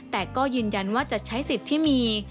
แต่ก็ยืนยันว่าจะใช้สิทธิ์ที่มี